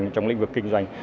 trong lĩnh vực kinh doanh